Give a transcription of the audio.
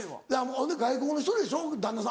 ほんで外国の人でしょ旦那さん